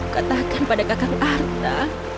katakan pada kakak arta